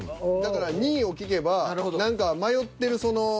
だから２位を聞けば何か迷ってるその。